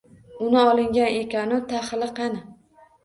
Uni olingan ekanu tahili qani.